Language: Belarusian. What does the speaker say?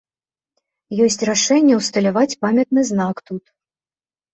Ёсць рашэнне ўсталяваць памятны знак тут.